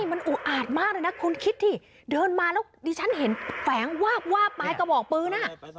มันอุอาจมากเลยนะคุณคิดสิเดินมาแล้วดิฉันเห็นแฝงวาบวาบปลายกระบอกปืน